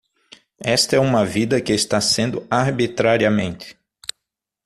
Esta é uma vida que está sendo arbitrariamente